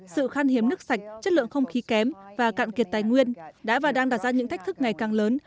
sự khăn hiếm nước sạch chất lượng không khí kém và cạn kiệt tài nguyên đã và đang đảm giá những thách thức ngày càng lớn